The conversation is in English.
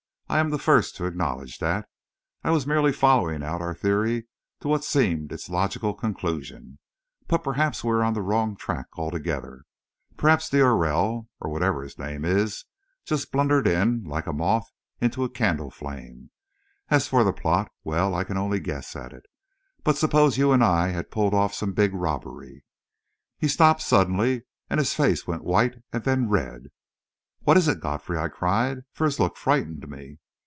"I am the first to acknowledge that. I was merely following out our theory to what seemed its logical conclusion. But perhaps we are on the wrong track altogether. Perhaps d'Aurelle, or whatever his name is, just blundered in, like a moth into a candle flame. As for the plot well, I can only guess at it. But suppose you and I had pulled off some big robbery " He stopped suddenly, and his face went white and then red. "What is it, Godfrey?" I cried, for his look frightened me.